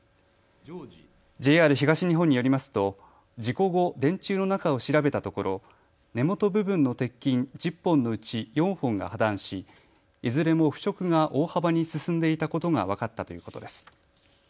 ＪＲ東日本によりますと事故後、電柱の中を調べたところ根元部分の鉄筋１０本のうち４本が破断しいずれも腐食が大幅に進んでいたことが分かったということです。